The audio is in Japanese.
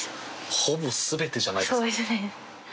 ほぼ全てじゃないですか。